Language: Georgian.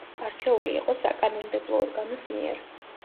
არჩეული იყო საკანონმდებლო ორგანოს მიერ.